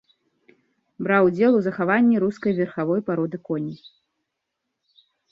Браў удзел у захаванні рускай верхавой пароды коней.